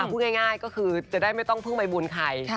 พูดง่ายก็คือจะได้ไม่ต้องพึ่งใบบุญใคร